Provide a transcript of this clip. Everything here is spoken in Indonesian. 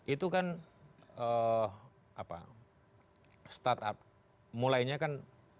itu kan start up mulainya kan dua ribu empat belas